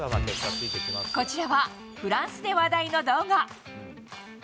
こちらはフランスで話題の動画。